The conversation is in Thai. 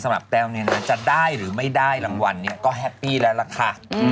แต้วเนี่ยนะจะได้หรือไม่ได้รางวัลเนี่ยก็แฮปปี้แล้วล่ะค่ะ